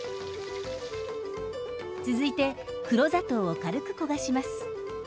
続いて黒砂糖を軽く焦がします。